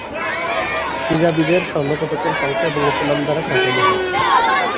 ক্রীড়াবিদের স্বর্ণ পদকের সংখ্যা এবং উপনাম দ্বারা সাজানো হয়েছে।